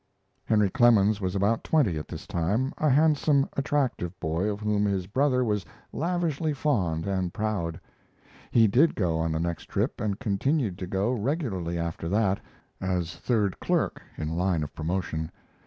Henry Clemens was about twenty at this time, a handsome, attractive boy of whom his brother was lavishly fond and proud. He did go on the next trip and continued to go regularly after that, as third clerk in line of promotion.